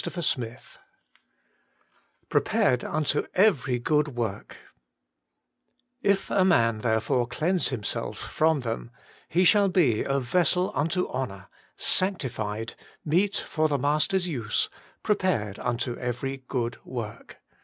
9llor XIX lI^repare^ unto e\>er^ 6oo^ Motft ' If a man therefore cleanse himself from them, he shall be a vessel unto honour, sanctified, meet for the Master's use, prepared unto every good work.'